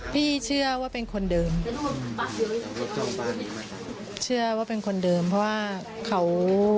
พี่เชื่อว่าเป็นคนเดิมเชื่อว่าเป็นคนเดิมเพราะว่าเขา